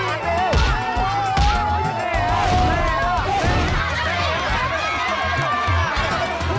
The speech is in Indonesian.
ya kena doang